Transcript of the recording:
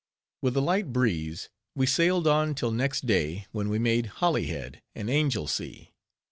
With a light breeze, we sailed on till next day, when we made Holyhead and Anglesea.